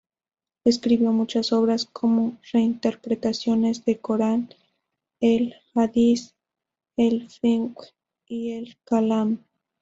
Escribió muchas obras como reinterpretaciones del Corán, el Hadiz, el Fiqh y el Kalam.